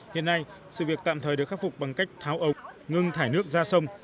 hiện nay sự việc tạm thời được khắc phục bằng cách tháo ống ngưng thải nước ra sông